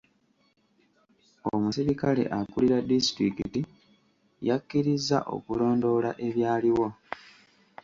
Omuserikale akulira disitulikiti yakirizza okulondoola ebyaliwo.